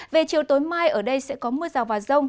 về chiều tối mai ở đây sẽ có mưa rào và rông